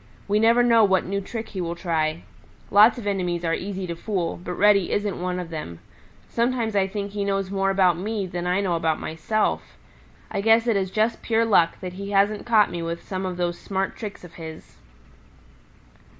We never know what new trick he will try. Lots of enemies are easy to fool, but Reddy isn't one of them. Sometimes I think he knows more about me than I know about myself. I guess it is just pure luck that he hasn't caught me with some of those smart tricks of his.